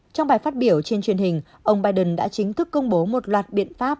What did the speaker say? trong bài phát biểu trên truyền hình ông biden đã chính thức công bố một loạt biện pháp